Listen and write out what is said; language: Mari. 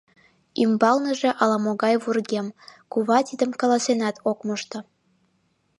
Ӱмбалныже ала-могай вургем — кува тидым каласенат ок мошто.